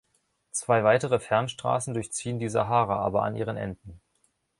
Zwei weitere Fernstraßen durchziehen die Sahara, aber an ihren Enden.